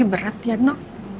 tapi berat ya no